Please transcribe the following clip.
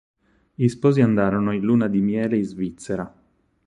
Gli sposi andarono in luna di miele in Svizzera.